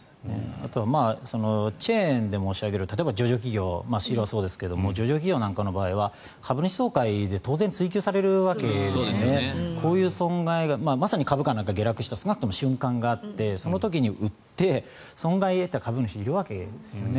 あとはチェーンで申し上げると上場企業、スシローもそうですが上場企業の場合は株主総会で当然、追及されるわけですのでこういう損害がまさに株価なんかが下落した瞬間があってその時に売って損害が出た株主がいるわけですよね。